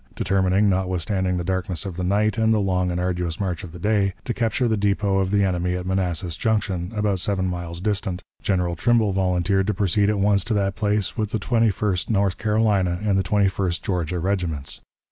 Determining, notwithstanding the darkness of the night and the long and arduous march of the day, to capture the depot of the enemy at Manassas Junction, about seven miles distant, General Trimble volunteered to proceed at once to that place with the Twenty first North Carolina and the Twenty first Georgia Regiments.